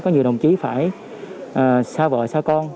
có nhiều đồng chí phải xa vợ xa con